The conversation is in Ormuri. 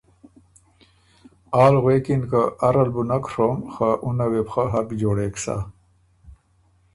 آل غوېکِن که اره ل بُو نک ڒوم خه اُنه وې بو خه حق جوړېک سَۀ۔